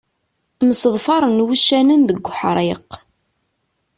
Mseḍfaren wuccanen deg uḥriq.